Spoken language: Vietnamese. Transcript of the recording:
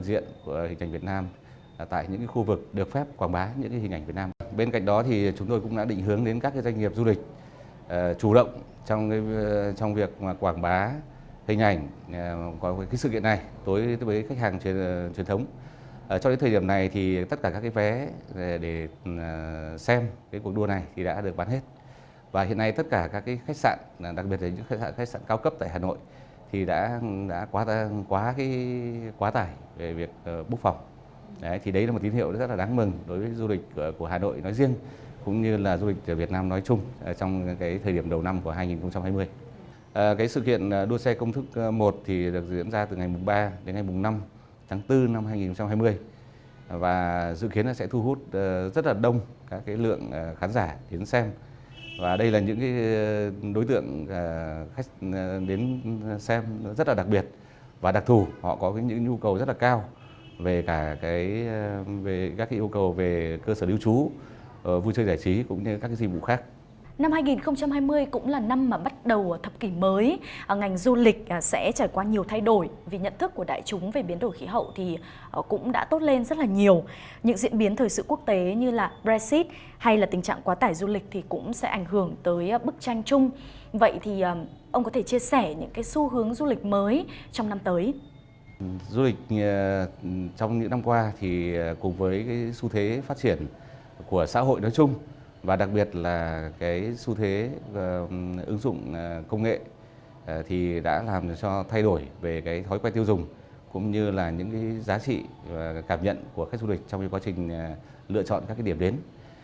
đã làm cho thay đổi về cái thói quay tiêu dùng cũng như là những cái giá trị và cảm nhận của khách du lịch trong cái quá trình lựa chọn các cái điểm đến